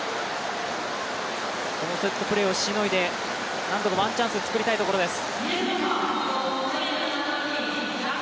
このセットプレーをしのいで、なんとかワンチャンス作りたいところです。